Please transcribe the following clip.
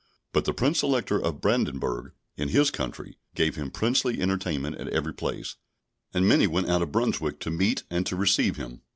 But the Prince Elector of Brandenburg, in his country, gave him princely entertainment in every place, and many went out of Brunswick to meet and to receive him.